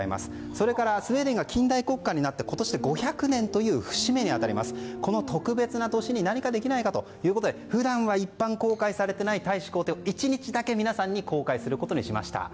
それから、スウェーデンが近代国家になって今年で５００年という節目に当たります特別な年に何かできないかと普段は一般公開されていない大使公邸を１日だけ皆さんに公開することにしました。